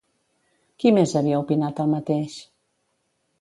Qui més havia opinat el mateix?